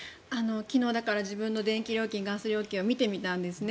昨日自分の電気料金、ガス料金を見てみたんですね。